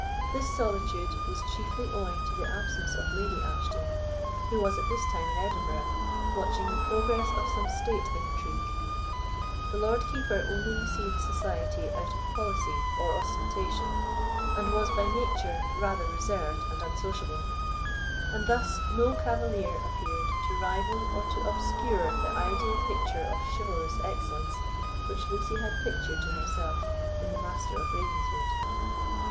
This solitude was chiefly owing to the absence of Lady Ashton, who was at this time in Edinburgh, watching the progress of some state intrigue; the Lord Keeper only received society out of policy or ostentation, and was by nature rather reserved and unsociable; and thus no cavalier appeared to rival or to obscure the ideal picture of chivalrous excellence which Lucy had pictured to herself in the Master of Ravenswood.